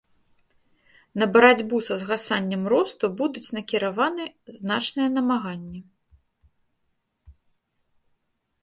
На барацьбу са згасаннем росту будуць накіраваны значныя намаганні.